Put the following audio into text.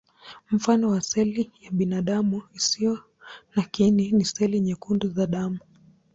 Mfano wa seli ya binadamu isiyo na kiini ni seli nyekundu za damu.